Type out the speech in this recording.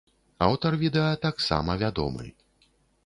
Аўтар відэа таксама вядомы.